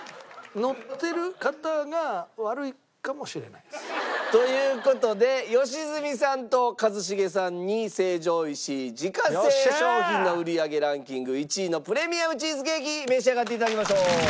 そういう事を言ってという事で良純さんと一茂さんに成城石井自家製商品の売り上げランキング１位のプレミアムチーズケーキ召し上がって頂きましょう。